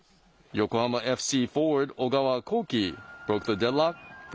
横浜ＦＣ